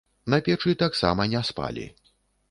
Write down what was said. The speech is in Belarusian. На печы таксама не спалі.